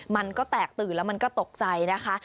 มันก็แตกตื่นแล้วมันก็ตกใจนะคะ